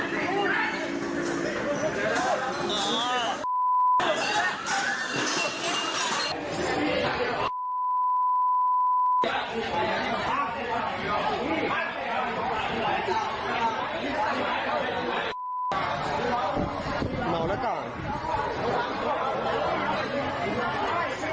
มาสนับการน่ะเอาเป็นปากที่บ้าง